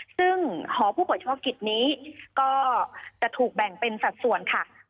ซึ่งหอผู้ป่วยเฉพาะกิจนี้ก็จะถูกแบ่งเป็นสัดส่วนค่ะ